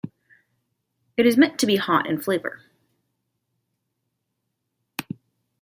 It is meant to be hot in flavor.